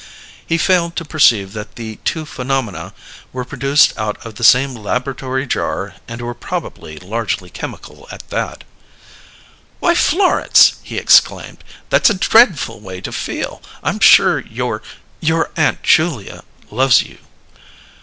He failed to perceive that the two phenomena were produced out of the same laboratory jar and were probably largely chemical, at that. "Why, Florence!" he exclaimed. "That's a dreadful way to feel. I'm sure your your Aunt Julia loves you."